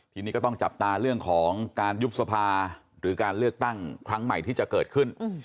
ทีนี้ก็ต้องจับตาเรื่องของการยุบสภาหรือการเลือกตั้งครั้งใหม่ที่จะเกิดขึ้น